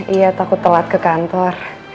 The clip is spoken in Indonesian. iya takut telat ke kantor